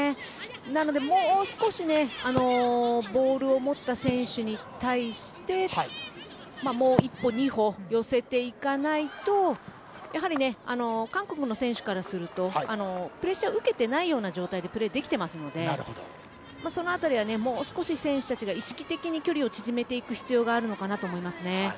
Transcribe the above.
なので、もう少しボールを持った選手に対してもう１歩、２歩寄せていかないと。韓国の選手からするとプレッシャーを受けていないような状態でプレーできていますのでその辺りはもう少し選手たちが意識的に距離を縮めていく必要があると思います。